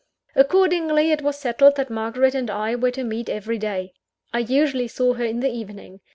Accordingly, it was settled that Margaret and I were to meet every day. I usually saw her in the evening.